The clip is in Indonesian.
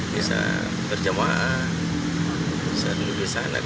bisa berjamaah bisa duduk di sana